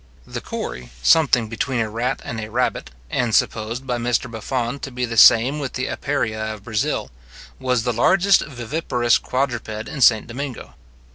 The cori, something between a rat and a rabbit, and supposed by Mr Buffon to be the same with the aperea of Brazil, was the largest viviparous quadruped in St. Domingo.